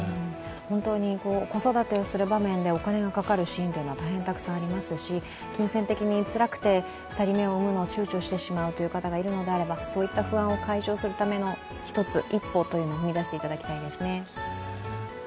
本当に子育てをする場面でお金がかかるシーンはたくさんありますし、金銭的につらくて、２人目を産むのをちゅうちょしてしまうという人がいるのであればそういった不安を解消するための一歩というのを踏み出していただきたいですね。